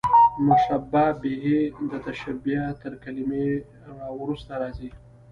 مشبه به، د تشبېه تر کلمې وروسته راځي.